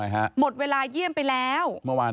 หมดเวลาเยี่ยมไปแล้ว